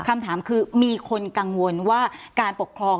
คำถามคือมีคนกังวลว่าการปกครอง